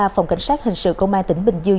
phòng cảnh sát hình sự công an tỉnh bình dương